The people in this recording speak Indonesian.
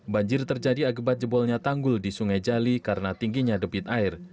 banjir terjadi akibat jebolnya tanggul di sungai jali karena tingginya debit air